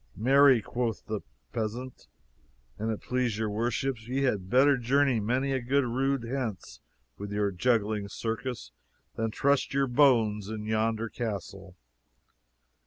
"Marry," quoth the peasant, "an' it please your worships, ye had better journey many a good rood hence with your juggling circus than trust your bones in yonder castle."